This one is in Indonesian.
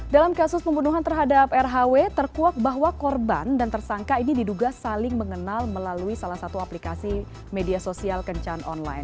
dalam kasus pembunuhan terhadap rhw terkuak bahwa korban dan tersangka ini diduga saling mengenal melalui salah satu aplikasi media sosial kencan online